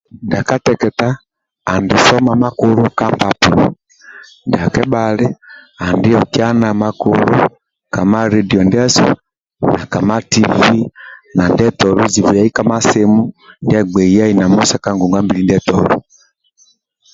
Ndia kateketa andi soma makulu ka mpampulo ndia kebhali andi okian makula ka mpapulo ndiasu na kama TV na ndietolo zibiliai ka masimu ndia agbei yai na musa ka ngongwa mbili ndietolo